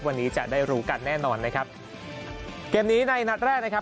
วันนี้จะได้รู้กันแน่นอนนะครับเกมนี้ในนัดแรกนะครับ